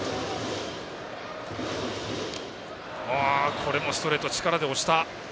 これもストレート、力で押した。